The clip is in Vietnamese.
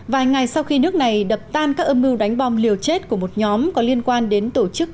vài ngày sau khi nước này đập tan các âm mưu đánh bom liều chết của một nhóm có liên quan đến tổ chức